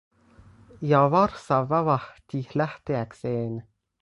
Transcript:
Ja varsa vavahti lähteäkseen.